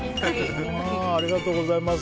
ありがとうございます。